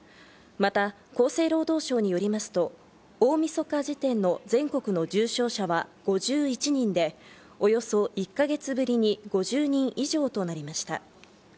また厚生労働省によりますと、大みそか時点の全国の重症者は５１人でおよそ１か月ぶりに５０人以上となりました。